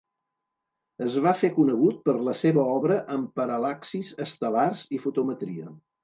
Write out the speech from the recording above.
Es va fer conegut per la seva obra en paral·laxis estel·lars i fotometria.